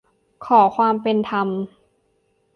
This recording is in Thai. ขอความเป็นธรรม